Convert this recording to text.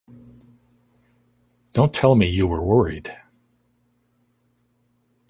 Don't tell me you were worried!